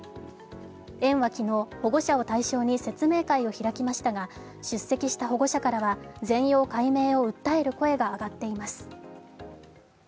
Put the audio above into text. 園は昨日、保護者を対象に説明会を開きましたが出席した保護者からは全容解明を訴える声が上がっています。